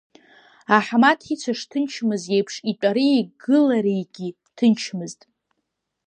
Аҳмаҭ ицәа шҭынчмыз еиԥш итәареи игылареигьы ҭынчмызт.